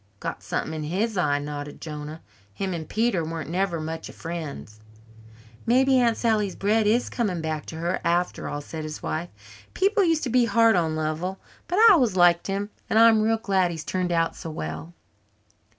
"Got something in his eye," nodded Jonah. "Him and Peter weren't never much of friends." "Maybe Aunt Sally's bread is coming back to her after all," said his wife. "People used to be hard on Lovell. But I always liked him and I'm real glad he's turned out so well."